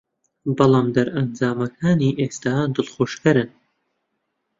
بەڵام دەرەنجامەکانی ئێستا دڵخۆشکەرن